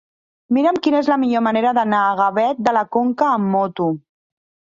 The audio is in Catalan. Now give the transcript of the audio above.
Mira'm quina és la millor manera d'anar a Gavet de la Conca amb moto.